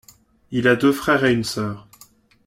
Il a deux frères et une soeur.